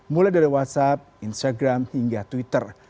mulai dari whatsapp instagram hingga twitter